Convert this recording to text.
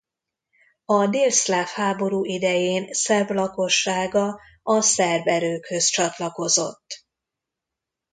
A délszláv háború idején szerb lakossága a szerb erőkhöz csatlakozott.